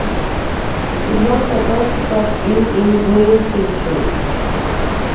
It was the first Cup win in Bruins history.